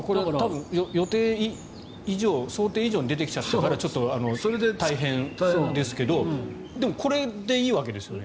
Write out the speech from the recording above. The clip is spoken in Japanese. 予定以上、想定以上に出てきちゃったから大変ですけどでも、これでいいわけですよね。